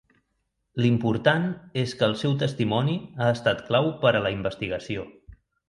L'important és que el seu testimoni ha estat clau per a la investigació.